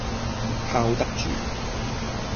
靠得住